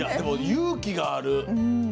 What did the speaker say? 勇気がある！